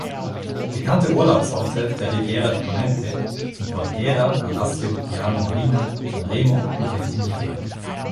Bekannte Urlaubsorte der Riviera di Ponente sind Bordighera, Alassio, Diano Marina, Sanremo und Ventimiglia.